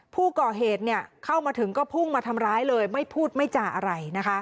เข้ามาถึงก็พุ่งมาทำร้ายเลยไม่พูดไม่จ่าอะไร